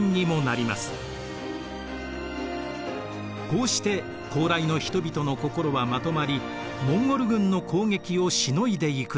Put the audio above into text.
こうして高麗の人々の心はまとまりモンゴル軍の攻撃をしのいでいくのです。